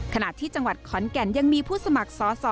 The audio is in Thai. ขณะที่จังหวัดขอนแก่นยังมีผู้สมัครสอสอ